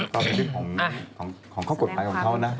ก็เป็นเรื่องของกฎภัณฑ์ของเขานะ